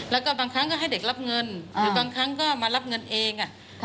แล้วก็บางครั้งก็ให้เด็กรับเงินหรือบางครั้งก็มารับเงินเอง